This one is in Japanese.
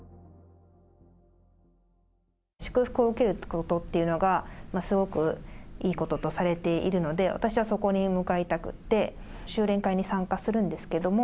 祝福を受けることっていうのが、すごくいいこととされているので、私はそこに向かいたくって、修錬会に参加するんですけども。